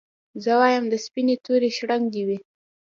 زه وايم د سپيني توري شړنګ دي وي